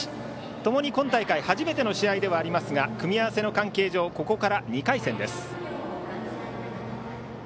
ともに今大会初めての試合ではありますが組み合わせの関係上ここから２回戦です。